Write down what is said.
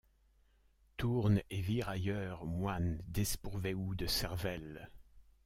Tourne et vire ailleurs, moyne despourveu de cervelle…